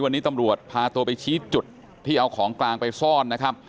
วันนี้ตำรวจพาตัวไปชี้จุดที่เอาของกลางไปซ่อนนะครับ